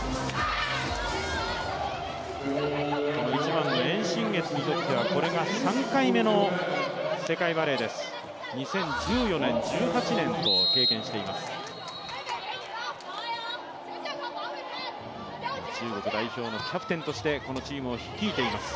１番のエン・シンゲツにとってはこれが３回目の世界バレーです、２０１４年、１８年と経験しています。